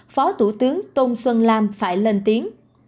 phó tủ tướng tôn xuân lam phải lên tiếng